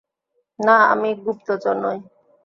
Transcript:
না, আমি গুপ্তচর নই।